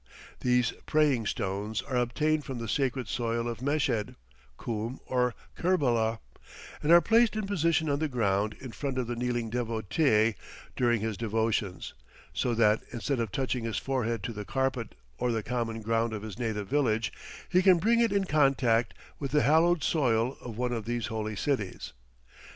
These praying stones are obtained from the sacred soil of Meshed, Koom, or Kerbela, and are placed in position on the ground in front of the kneeling devotee during his devotions, so that, instead of touching his forehead to the carpet or the common ground of his native village, he can bring it in contact with the hallowed soil of one of these holy cities.